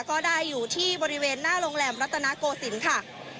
ก็ได้อยู่ที่บริเวณหน้าโรงแรมรัตนโกศิลป์ค่ะ